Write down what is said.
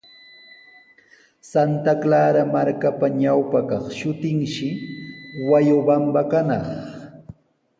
Santa Clara markapa ñawpa kaq shutinshi Huayobamba kanaq.